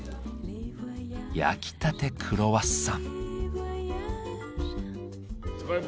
焼きたてクロワッサン。